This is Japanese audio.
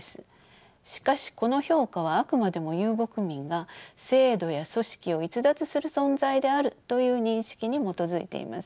しかしこの評価はあくまでも遊牧民が制度や組織を逸脱する存在であるという認識に基づいています。